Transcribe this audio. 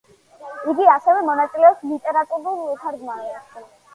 იგი ასევე მონაწილეობს ლიტერატურულ თარგმანში.